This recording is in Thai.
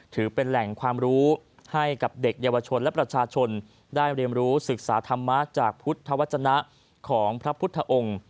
ถือเป็นแหล่งความรู้ให้กับเด็กเยาวชนและประชาชนได้เรียนรู้ศึกษาธรรมะจากพุทธวัฒนะของพระพุทธองค์